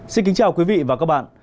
xin kính chào quý vị và các bạn